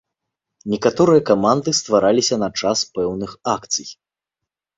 Некаторыя каманды ствараліся на час пэўных акцый.